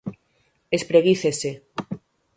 ¡Espreguícese!